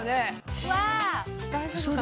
うわあ大丈夫かな？